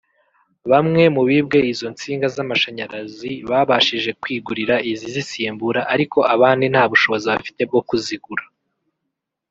Bamwe mu bibwe izo nsinga z’amashanyarazi babashije kwigurira izizisimbura ariko abandi nta bushobozi bafite bwo kuzigura